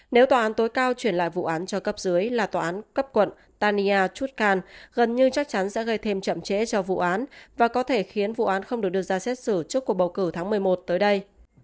nếu tòa án tối cao chuyển lại vụ án cho cấp dưới là tòa án cấp quận tania chu can gần như chắc chắn sẽ gây thêm chậm trễ cho vụ án và có thể khiến vụ án không được đưa ra xét xử trước cuộc bầu cử tháng một mươi một tới đây